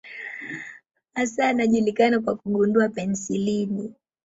Hasa anajulikana kwa kugundua penisilini.